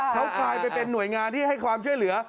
เขาคลายไปเป็นหน่วยงานที่ให้ความช่วยเหลือ